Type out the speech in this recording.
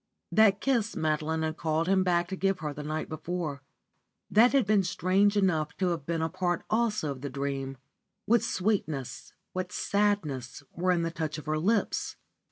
That kiss Madeline had called him back to give him the night before; that had been strange enough to have been a part also of the dream. What sweetness, what sadness, were in the touch of her lips.